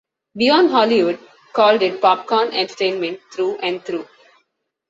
"Beyond Hollywood" called it "popcorn entertainment through and through".